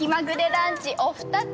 ランチお２つ。